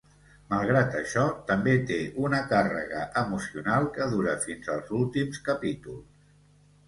Malgrat això, també té una càrrega emocional que dura fins als últims capítols.